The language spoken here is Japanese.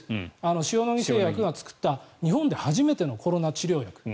塩野義製薬が作った日本で初めてのコロナ治療薬。